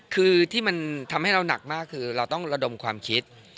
คือที่มันทำให้เราหนักมากคือเราต้องระดมความคิด